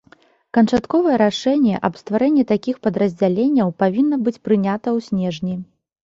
Канчатковае рашэнне аб стварэнні такіх падраздзяленняў павінна быць прынята ў снежні.